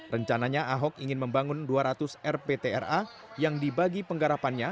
rencananya ahok ingin membangun dua ratus rptra yang dibagi penggarapannya